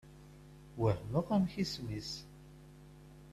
Wehmeɣ amek isem-is.